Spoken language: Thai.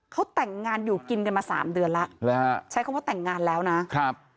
เขาแต่งงานอยู่กินกันมาสามเดือนแล้วหรือฮะใช้คำว่าแต่งงานแล้วนะครับ